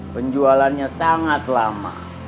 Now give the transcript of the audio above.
penjualannya sangat lama